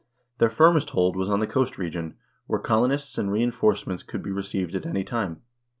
Their firmest hold was on the coast region, where colonists and reinforce ments could be received at any time.